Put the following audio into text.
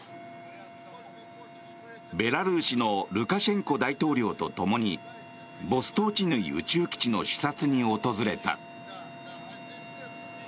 ベラルーシのルカシェンコ大統領とともにボストーチヌイ宇宙基地の視察に訪れた。